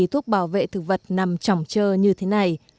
thuốc bảo vệ thực vật nằm trỏng trơ như thế này